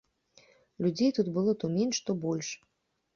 Людзей тут было то менш, то больш.